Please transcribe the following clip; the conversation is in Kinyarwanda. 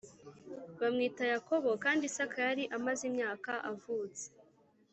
bamwita Yakobo Kandi Isaka yari amaze imyaka avutse.